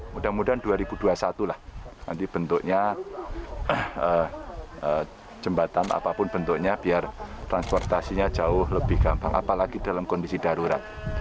mudah mudahan dua ribu dua puluh satu lah nanti bentuknya jembatan apapun bentuknya biar transportasinya jauh lebih gampang apalagi dalam kondisi darurat